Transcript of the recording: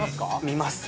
見ます。